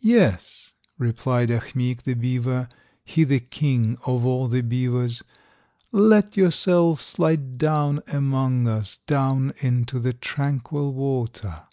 "Yes!" replied Ahmeek, the beaver, He the king of all the beavers, "Let yourself slide down among us, Down into the tranquil water."